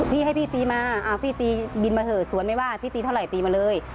พี่ให้พี่ตีมาพี่ตีบินมาเถอะสวนไม่ว่าพี่ตีเท่าไหร่ตีมาเลย